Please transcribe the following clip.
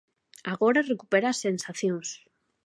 Agora recupera as sensacións.